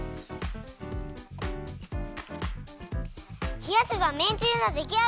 ひやせばめんつゆのできあがり。